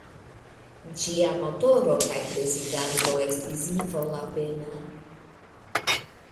Ĝia motoro kaj prezidanto estis Ivo Lapenna.